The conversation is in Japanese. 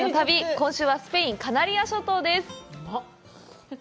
今週はスペイン、カナリア諸島です。